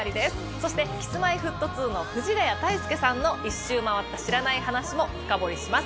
そして、Ｋｉｓ−Ｍｙ−Ｆｔ２の藤ヶ谷太輔さんの１周回った知らない話も深掘りします。